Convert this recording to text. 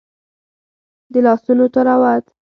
د لاسونو تلاوت